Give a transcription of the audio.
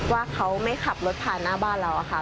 ว่าเขาไม่ขับรถผ่านหน้าบ้านเราค่ะ